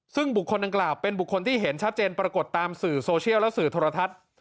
ซึ่งบุคคลดังกล่าวเป็นบุคคลที่เห็นชัดเจนปรากฏตามสื่อโซเชียลและสื่อโทรทัศน์